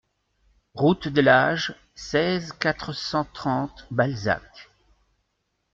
Route de l'Age, seize, quatre cent trente Balzac